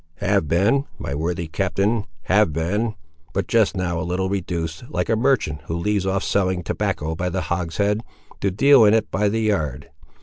"Have been, my worthy captain—have been; but just now a little reduced, like a merchant who leaves off selling tobacco by the hogshead, to deal in it by the yard.